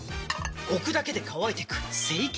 置くだけで乾いてく清潔